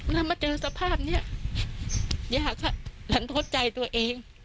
และเมื่อเจอสภาพนี้ย่าก็รันโทษใจตัวเอง